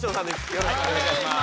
よろしくお願いします。